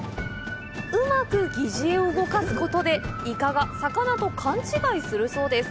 うまく疑似餌を動かすことでイカが魚と勘違いするそうです。